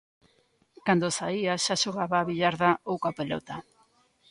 Cando saía xa xogaba á billarda ou coa pelota.